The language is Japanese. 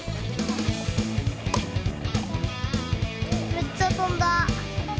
めっちゃとんだ！